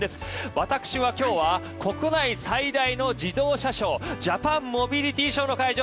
私は今日は国内最大の自動車ショージャパンモビリティショーの会場